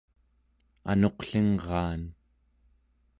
anuqlingraan